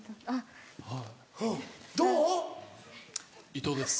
伊藤です。